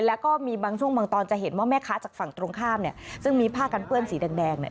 แล้วก็มีบางช่วงบางตอนจะเห็นว่าแม่ค้าจากฝั่งตรงข้ามเนี่ยซึ่งมีผ้ากันเปื้อนสีแดงแดงเนี่ย